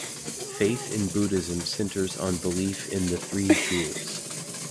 Faith in Buddhism centres on belief in the Three Jewels.